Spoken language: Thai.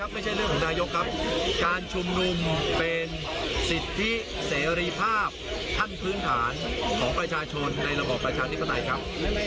ไม่ใช่เรื่องของนายกครับการชุมนุมเป็นสิทธิเสรีภาพขั้นพื้นฐานของประชาชนในระบอบประชาธิปไตยครับ